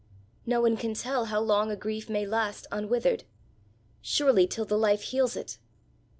No one can tell how long a grief may last unwithered! Surely till the life heals it!